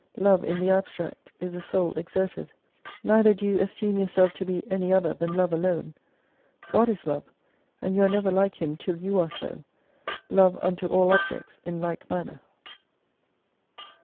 Love in the abstract is a soul exerted. Neither do you esteem yourself to be any other than Love alone. God is Love, and you are never like Him till you are so : Love unto all objects in like manner.